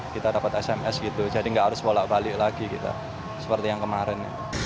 kita dapat sms gitu jadi nggak harus bolak balik lagi kita seperti yang kemarin